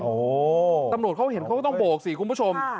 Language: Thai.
โอ้โหตำรวจเขาเห็นเขาก็ต้องโบกสิคุณผู้ชม